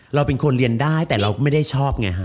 เราเป็นคนเรียนได้แต่เราก็ไม่ได้ชอบไงฮะ